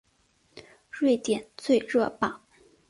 瑞典最热榜。